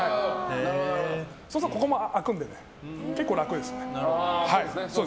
そうすると腕のところも空くので結構楽ですね。